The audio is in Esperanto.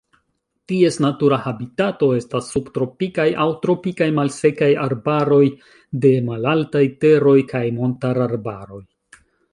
Ties natura habitato estas subtropikaj aŭ tropikaj malsekaj arbaroj de malaltaj teroj kaj montararbaroj.